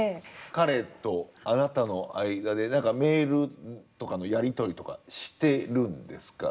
彼とあなたの間で何かメールとかのやり取りとかしてるんですか？